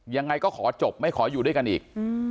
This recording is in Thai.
ยังไงก็ขอจบไม่ขออยู่ด้วยกันอีก